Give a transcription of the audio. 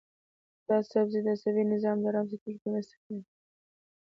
دا سبزی د عصبي نظام د ارام ساتلو کې مرسته کوي.